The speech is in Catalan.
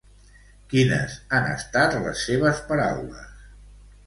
Quines han estat les seves paraules?